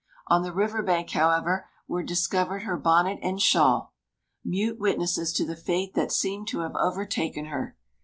On the river bank, however, were discovered her bonnet and shawl, mute witnesses to the fate that seemed to have overtaken her.